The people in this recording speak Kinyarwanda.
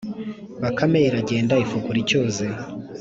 Bakame iragenda ifukura icyuzi,